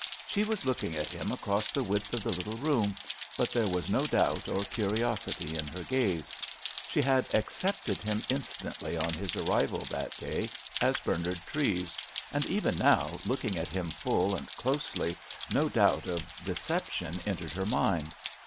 She was looking at him across the width of the little room, but there was no doubt or curiosity in her gaze; she had accepted him instantly on his arrival that day as Bernard Treves, and even now, looking at him full and closely, no thought of deception entered her mind.